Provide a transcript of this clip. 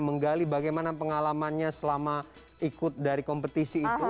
menggali bagaimana pengalamannya selama ikut dari kompetisi itu